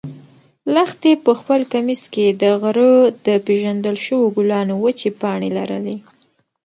لښتې په خپل کمیس کې د غره د پېژندل شوو ګلانو وچې پاڼې لرلې.